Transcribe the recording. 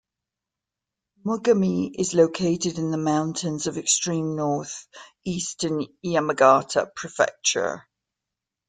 Mogami is located in the mountains of extreme north eastern Yamagata Prefecture.